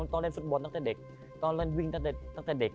ต้องเล่นฟุตบอลตั้งแต่เด็กต้องเล่นวิ่งตั้งแต่เด็ก